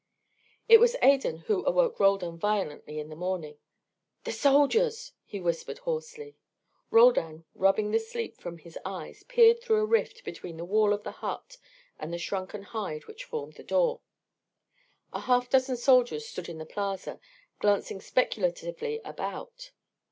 It was Adan who awoke Roldan violently in the morning. "The soldiers!" he whispered hoarsely. Roldan, rubbing the sleep from his eyes, peered through a rift between the wall of the hut and the shrunken hide which formed the door. A half dozen soldiers stood in the plaza, glancing speculatively about.